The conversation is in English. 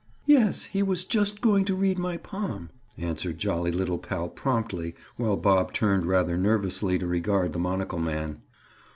"Yes; he was just going to read my palm," answered jolly little pal promptly while Bob turned rather nervously to regard the monocle man.